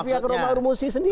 pak rufiak romar musi sendiri